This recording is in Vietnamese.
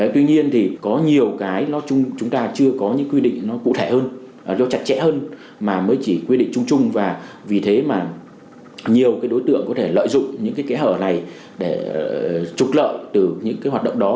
tuy nhiên thì có nhiều cái nói chung chúng ta chưa có những quy định nó cụ thể hơn nó chặt chẽ hơn mà mới chỉ quy định chung chung và vì thế mà nhiều cái đối tượng có thể lợi dụng những cái kẽ hở này để trục lợi từ những cái hoạt động đó